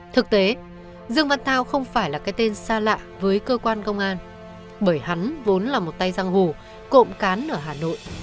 thực tế dương văn thao không phải là cái tên xa lạ với cơ quan công an bởi hắn vốn là một tay giang hồ cộm cán ở hà nội